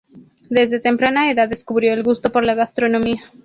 Desde temprana edad descubrió el gusto por la gastronomía.